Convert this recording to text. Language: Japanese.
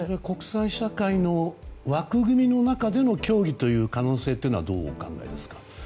国際社会の枠組みの中での協議の可能性はどうお考えですか。